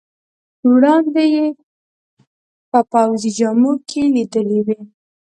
وړاندې یې په پوځي جامو کې لیدلی وې.